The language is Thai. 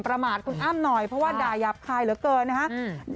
ประมาทคุณอ้ำหน่อยเพราะว่าด่ายาบคายเหลือเกินนะครับ